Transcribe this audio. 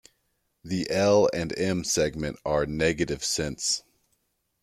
The L and M segment are negative sense.